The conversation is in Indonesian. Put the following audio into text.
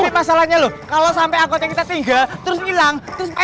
kalau sampai anggota kita tinggal terus hilang